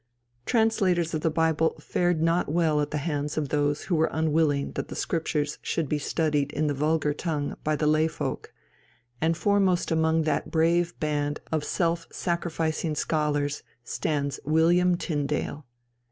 Translators of the Bible fared not well at the hands of those who were unwilling that the Scriptures should be studied in the vulgar tongue by the lay folk, and foremost among that brave band of self sacrificing scholars stands William Tyndale.